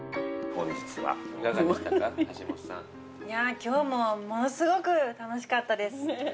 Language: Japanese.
いや今日もものすごく楽しかったです。